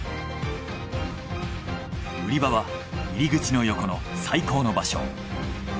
売り場は入り口の横の最高の場所。